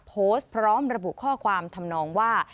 โพสต์พร้อมระบุข้อความทำนองว่า